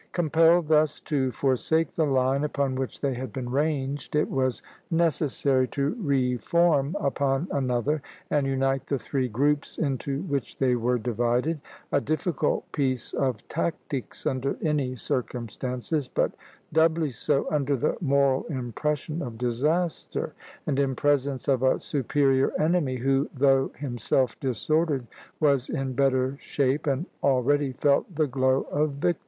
Compelled thus to forsake the line upon which they had been ranged, it was necessary to re form upon another, and unite the three groups into which they were divided, a difficult piece of tactics under any circumstances, but doubly so under the moral impression of disaster, and in presence of a superior enemy, who, though himself disordered, was in better shape, and already felt the glow of victory.